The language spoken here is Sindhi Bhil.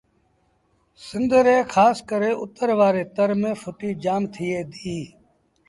سنڌ ري کآس ڪري اُتر وآري تر ميݩ ڦُٽيٚ جآم ٿئي دي